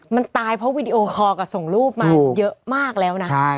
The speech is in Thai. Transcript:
มันตายเพราะวีดีโอคอลกับส่งรูปมาเยอะมากแล้วนะ